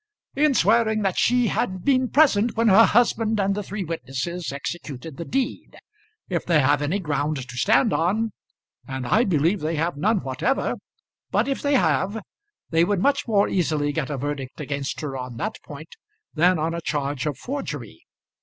"In swearing that she had been present when her husband and the three witnesses executed the deed. If they have any ground to stand on and I believe they have none whatever, but if they have, they would much more easily get a verdict against her on that point than on a charge of forgery.